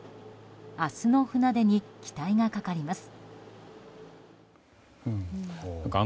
明日の船出に期待がかかります。